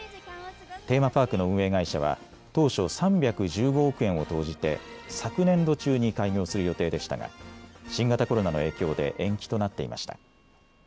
テーマパークの運営会社は当初、３１５億円を投じて昨年度中に開業する予定でしたが新型コロナの影響で延期となっていました。